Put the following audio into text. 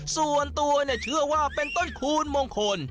ส่วนตัวเชื่อว่าเป็นต้นคูณมงคล